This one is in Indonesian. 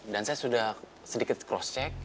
dan saya sudah sedikit cross check